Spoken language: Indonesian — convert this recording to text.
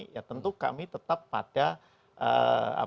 ya tentu kami tetap pada apa